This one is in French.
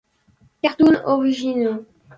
Cartoons originaux.